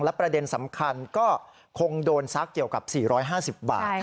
ประเด็นสำคัญก็คงโดนซักเกี่ยวกับ๔๕๐บาท